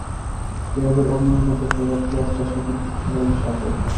পেঁয়াজের অগ্নিমূল্য দেখে এবার পেঁয়াজ চাষের প্রতি কৃষকেরা বেশি আগ্রহী হন।